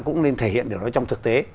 cũng nên thể hiện điều đó trong thực tế